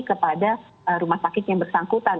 kepada rumah sakit yang bersangkutan